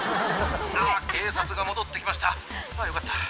「あっ警察が戻って来ましたあぁよかった」